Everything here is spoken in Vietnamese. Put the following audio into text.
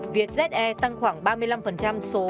việt ze tăng khoảng ba mươi năm số